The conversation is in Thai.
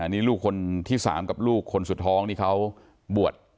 นี่ลูกคนที่๓กับลูกคนสุดท้องนี่เขาบวช